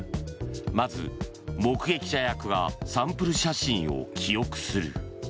まず、目撃者役がサンプル写真を記憶する。